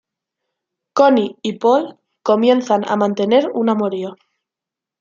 Connie y Paul comienzan a mantener un amorío.